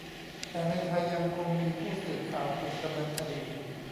แต่ในไทยยังคงมีผู้สื่อข่าวถูกดำเนินคดี